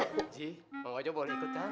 si mau aja kan boleh ikutan